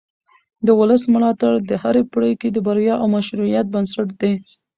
د ولس ملاتړ د هرې پرېکړې د بریا او مشروعیت بنسټ دی